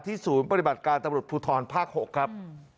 ที่ศูนย์ปฏิบัติกาตรพูทรภ๖ครับ